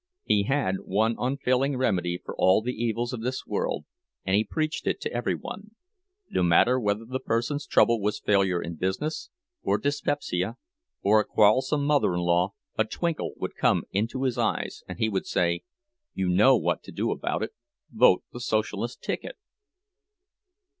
_'" He had one unfailing remedy for all the evils of this world, and he preached it to every one; no matter whether the person's trouble was failure in business, or dyspepsia, or a quarrelsome mother in law, a twinkle would come into his eyes and he would say, "You know what to do about it—vote the Socialist ticket!"